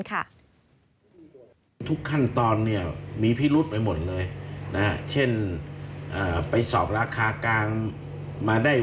ขอบการให้วิจารณ์ทีวอาร์ได้